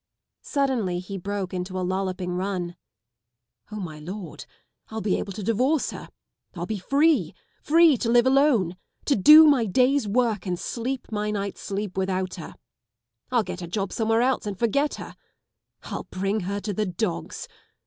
Suddenly he broke into a lolloping run. " my Lord, I'll be able to divorce her, I'll be free. Free to live alone. To do my day's work and sleep my night's sleep without her. I'll get a job somewhere else and forget her. I'll bring her to the dogs.